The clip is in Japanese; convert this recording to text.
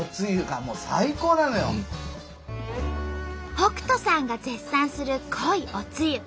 北斗さんが絶賛する濃いおつゆ。